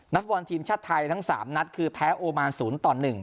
นัฐบอลทีมชาติไทยทั้งสามนัดคือแพ้โอมารศูนย์ต่อหนึ่ง